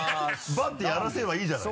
バッてやらせればいいじゃない。